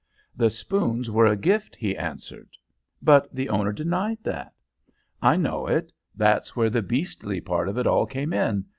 "The spoons were a gift," he answered. "But the owner denied that." "I know it; that's where the beastly part of it all came in.